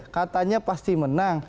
katanya pasti menang